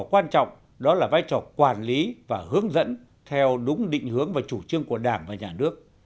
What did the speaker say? quan trọng đó là vai trò quản lý và hướng dẫn theo đúng định hướng và chủ trương của đảng và nhà nước